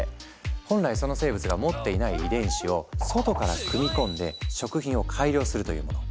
本来その生物が持っていない遺伝子を外から組み込んで食品を改良するというもの。